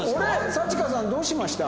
さちかさんどうしました？